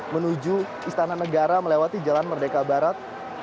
menuju istana negara melewati jalan merdeka barat